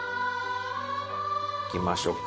いきましょか。